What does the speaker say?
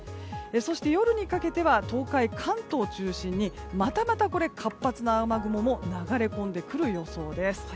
そして夜にかけては東海、関東中心にまたまた活発な雨雲が流れ込んでくる予想です。